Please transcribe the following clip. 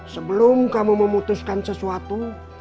sebelum kamu memutuskan sesuatu